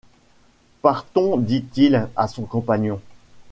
Partons, dit-il à son compagnon.